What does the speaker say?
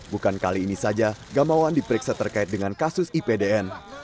bukan kali ini saja gamawan diperiksa terkait dengan kasus ipdn